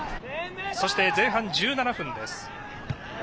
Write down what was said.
そして前半１７分です。